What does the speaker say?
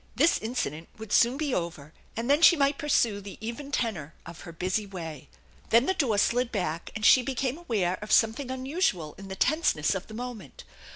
This incident would soon be over, and then she might pursue the even tenor of her busy way. Then the door slid back and she became aware of some thing unusual in the tenseness of the moment.